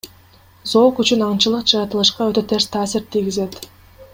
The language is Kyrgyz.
Зоок үчүн аңчылык жаратылышка өтө терс таасир тийгизет.